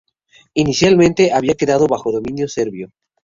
Inicialmente, había quedado bajo dominio serbio.